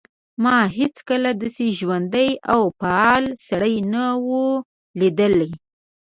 ما هیڅکله داسې ژوندی او فعال سړی نه و لیدلی